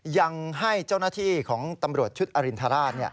ยังให้เจ้าหน้าที่ของตำรวจชุดอรินทราช